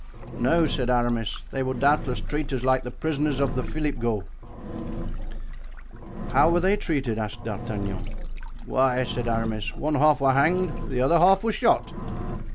"No," said Aramis, "they will doubtless treat us like the prisoners of the Philipghauts." "And how were they treated?" asked D'Artagnan. "Why," said Aramis, "one half were hanged and the other half were shot."